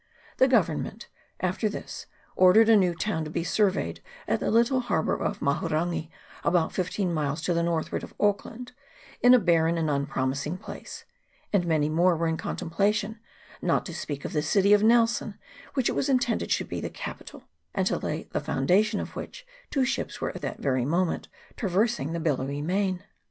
The Government, after this, ordered a new town to be surveyed at the little harbour of Mahurangi, about fifteen miles to the northward of Auckland, in a barren and unpromising place; and many more were in contemplation, not to speak of the city of Nelson, which it was intended should be the capital, and to lay the foundation of which two ships were at that very moment traversing the billowy main.